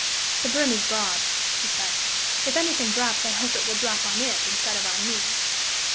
"The brim is broad," she said. "If any thing drops, I hope it will drop on it, instead of on me.